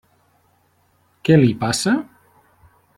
Què li passa?